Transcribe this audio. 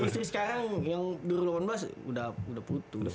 tapi sekarang yang dua ribu delapan belas udah putus